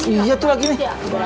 iya tuh lagi nih